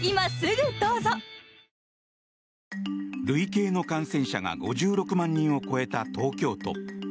累計の感染者が５６万人を超えた東京都。